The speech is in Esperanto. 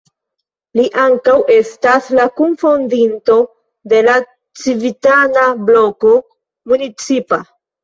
Li ankaŭ estas la kunfondinto de la Civitana Bloko Municipa.